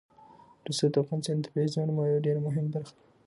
رسوب د افغانستان د طبیعي زیرمو یوه ډېره مهمه برخه ده.